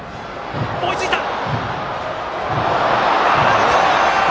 アウト！